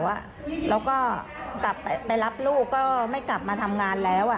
แล้วก็กลับไปรับลูกก็ไม่กลับมาทำงานแล้ว